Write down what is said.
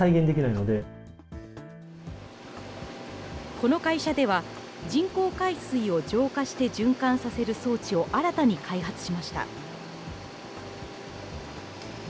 この会社では、人工海水を浄化して循環させる装置を新たに開発しました。